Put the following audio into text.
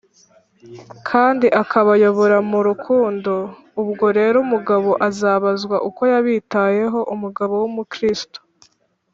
kandi akabayobora mu rukundo Ubwo rero umugabo azabazwa uko yabitayeho Umugabo w Umukristo